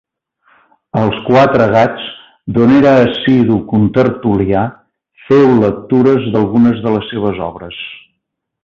Als Quatre Gats, d'on era assidu contertulià, féu lectures d'algunes de les seves obres.